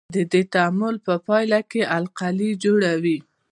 د دې تعامل په پایله کې القلي جوړوي.